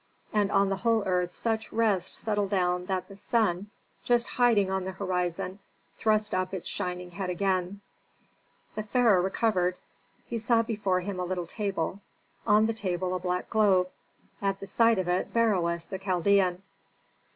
And on the whole earth such rest settled down that the sun, just hiding on the horizon, thrust up his shining head again. The pharaoh recovered. He saw before him a little table, on the table a black globe, at the side of it Beroes the Chaldean.